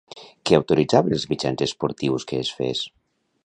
Què autoritzaven els mitjans esportius que es fes?